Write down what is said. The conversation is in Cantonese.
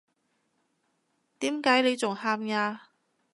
點解你仲喊呀？